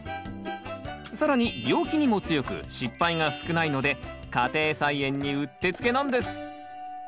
更に病気にも強く失敗が少ないので家庭菜園にうってつけなんです！